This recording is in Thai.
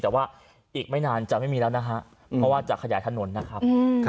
แต่ว่าอีกไม่นานจะไม่มีแล้วนะฮะเพราะว่าจะขยายถนนนะครับ